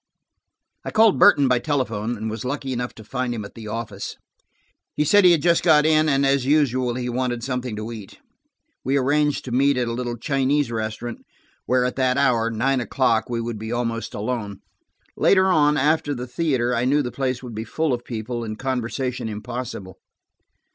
I called Burton by telephone, and was lucky enough to find him at the office. He said he had just got in, and, as usual, he wanted something to eat. We arranged to meet at a little Chinese restaurant, where at that hour, nine o'clock, we would be almost alone. Later on, after the theater, I knew that the place would be full of people, and conversation impossible.